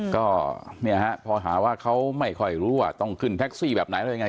ก็เนี่ยฮะพอหาว่าเขาไม่ค่อยรู้ว่าต้องขึ้นแท็กซี่แบบไหนอะไรยังไง